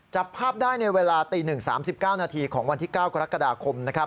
จับภาพได้ในเวลาตี๑๓๙นาทีของวันที่๙กรกฎาคมนะครับ